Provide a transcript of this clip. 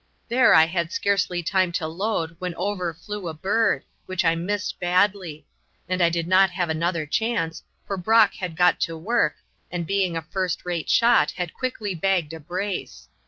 There I had scarcely time to load when over flew a bird, which I missed badly; and I did not have another chance, for Brock had got to work, and being a first rate shot had quickly bagged a brace.